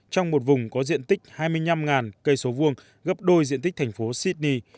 trong một vùng có diện tích hai mươi năm cây số vuông gấp đôi diện tích thành phố sydney